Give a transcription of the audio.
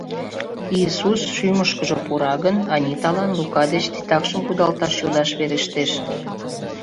Иисус шӱмышкыжӧ пура гын, Аниталан Лука деч титакшым кудалташ йодаш верештеш.